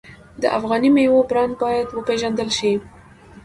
د افغاني میوو برنډ باید وپیژندل شي.